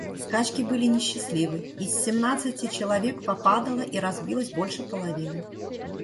Скачки были несчастливы, и из семнадцати человек попадало и разбилось больше половины.